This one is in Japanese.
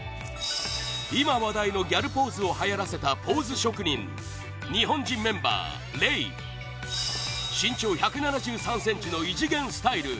今話題のギャルポーズをはやらせたポーズ職人日本人メンバー、レイ身長１７３ｃｍの異次元スタイル